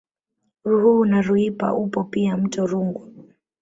Ruhuhu na Ruipa upo pia mto Rungwa